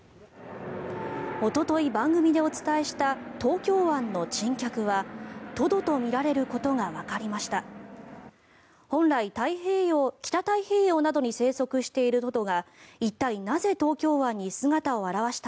おととい番組でお伝えした東京湾の珍客はトドとみられることがわかりました。